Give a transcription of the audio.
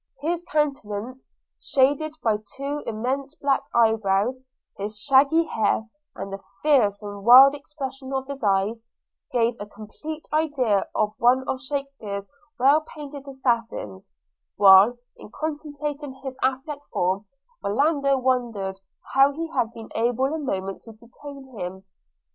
His dark countenance shaded by two immense black eyebrows, his shaggy hair, and the fierce and wild expression of his eyes, gave a complete idea of one of Shakespeare's well painted assassins; while, in contemplating his athletic form, Orlando wondered how he had been able a moment to detain him.